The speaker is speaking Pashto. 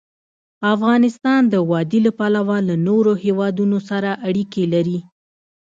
افغانستان د وادي له پلوه له نورو هېوادونو سره اړیکې لري.